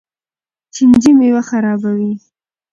چینجي میوه خرابوي.